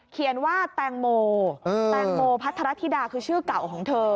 เขียนว่าแตงโมแตงโมพัทรธิดาคือชื่อเก่าของเธอ